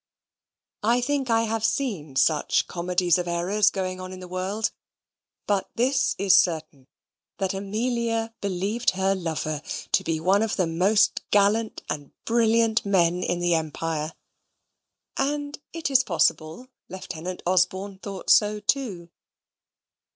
I think I have seen such comedies of errors going on in the world. But this is certain, that Amelia believed her lover to be one of the most gallant and brilliant men in the empire: and it is possible Lieutenant Osborne thought so too.